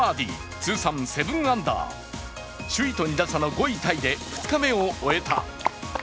通算７アンダー、首位と２打差の５位タイで２日目を終えた。